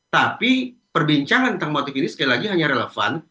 tapi perbincangan termotif ini sekali lagi hanya relevan